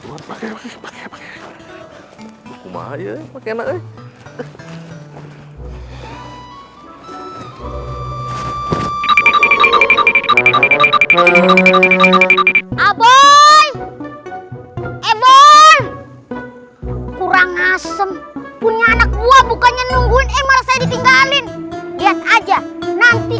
aboy ebon kurang asem punya anak gua bukannya nungguin emang saya ditinggalin lihat aja nanti